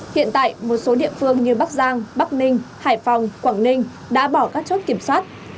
hiện tại một số địa phương như bắc giang bắc ninh hải phòng quảng ninh đã bỏ các chốt kiểm soát